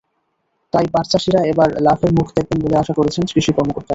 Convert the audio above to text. তাই পাটচাষিরা এবার লাভের মুখ দেখবেন বলে আশা করছেন কৃষি কর্মকর্তারা।